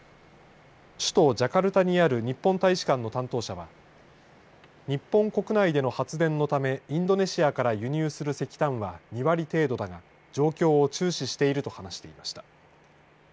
首都ジャカルタにある日本大使館の担当者は日本国内での発電のためインドネシアから輸入する石炭は２割程度だが状況を注視していると話していました。